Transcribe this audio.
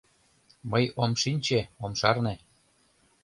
— Мый ом шинче, ом шарне.